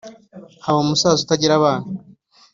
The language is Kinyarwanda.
Haba umusaza utagira abana